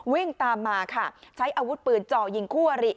วิ่งตามมาค่ะใช้อาวุธปืนจ่อยิงคู่อริ